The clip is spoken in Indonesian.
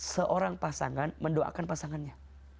seorang pasangan mendoakan pasangannya